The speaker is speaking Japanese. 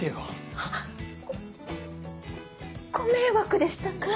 ハッご迷惑でしたか？